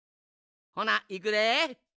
ほないくで。